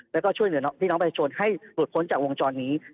แล้วก็ช่วยเหลือพี่น้องประชาชนให้หลุดพ้นจากวงจรนี้